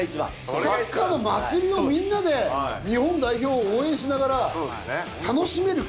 サッカーの祭りをみんなで日本代表を応援しながら楽しめる。